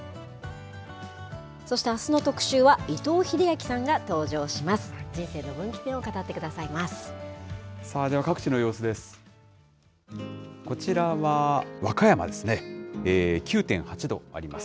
そして、あすの特集は伊藤英明さんが登場します。